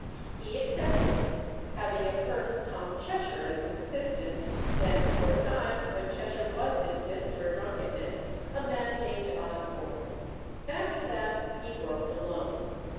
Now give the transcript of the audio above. He accepted, having at first Tom Cheshire as his assistant, then for a time, when Cheshire was dismissed for drunkenness, a man named Osborne. After that he worked alone.